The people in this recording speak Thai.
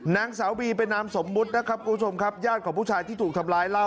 นางสาวบีเป็นนามสมมุตินะครับคุณผู้ชมครับญาติของผู้ชายที่ถูกทำร้ายเล่า